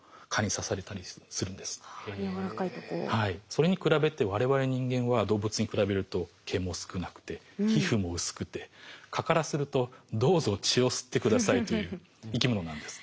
それに比べてわれわれ人間は動物に比べると毛も少なくて皮膚も薄くて蚊からするとどうぞ血を吸って下さいという生き物なんです。